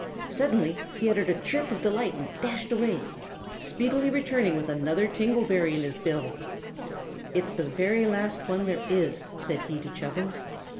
Suddenly he uttered a chirp of delight and dashed away, speedily returning with another tingle berry in his bill. "It's the very last one there is!" said he to Chubbins.